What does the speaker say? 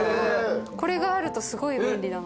これがあるとすごい便利だな。